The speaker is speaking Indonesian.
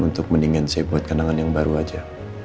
untuk mendingan saya buat kandangan yang baru aja